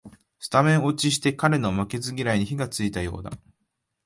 スタメン落ちして彼の負けず嫌いに火がついたようだ